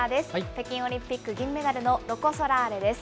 北京オリンピック銀メダルのロコ・ソラーレです。